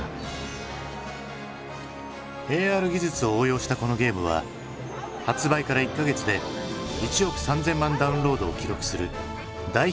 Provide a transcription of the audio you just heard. ＡＲ技術を応用したこのゲームは発売から１か月で１億３，０００万ダウンロードを記録する大ヒットコンテンツに。